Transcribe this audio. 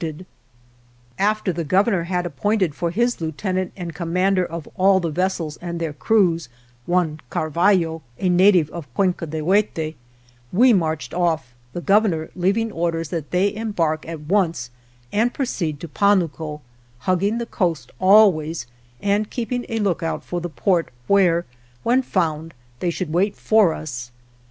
ALVAR NUNEZ CABEZA DE VACA After the Governor had appointed for his lieutenant and commander of all the vessels and their crews one Carvallo, a native of Cuenca de Huete, we marched off, the Gov ernor leaving orders that they embark at once and proceed to Panuco, hugging the coast always and keeping a lookout for the port where, when found, they should wait for us.